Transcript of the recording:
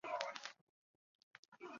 维维尔。